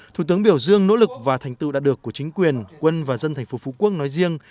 thủ tướng biểu dương nỗ lực và thành tựu đạt được của chính quyền quân và dân thành phố phú quốc nói riêng